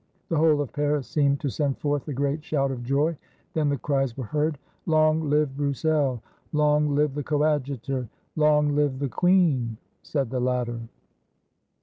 The whole of Paris seemed to send forth a great shout of joy; then the cries were heard, "Long live Broussel! Long live the Coadjutor!" "Long live the queen!" said the latter.